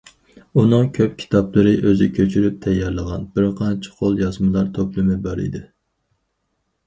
ئۇنىڭ كۆپ كىتابلىرى، ئۆزى كۆچۈرۈپ تەييارلىغان بىر قانچە قول يازمىلار توپلىمى بار ئىدى.